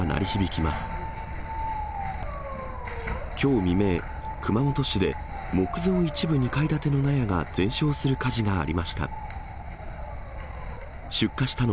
きょう未明、熊本市で、木造一部２階建ての納屋が全焼する火事がありました。